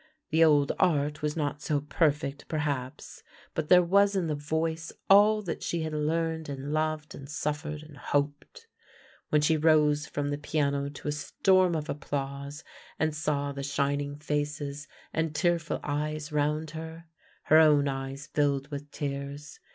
The old art was not so perfect perhaps, but there was in the voice all that she had learned and loved and suffered and hoped. When she rose from the piano to a storm of applause, and saw the shining faces and tearful eyes 84 THE LANE THAT HAD NO TURNING round her, her own eyes filled with tears.